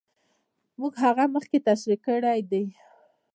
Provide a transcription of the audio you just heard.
موږ هغه مخکې تشرېح کړې دي.